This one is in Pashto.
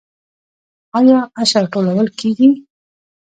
آیا عشر ټولول کیږي؟